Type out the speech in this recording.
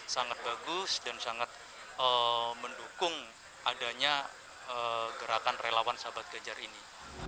sangat bagus dan sangat mendukung adanya gerakan relawan sahabat ganjar ini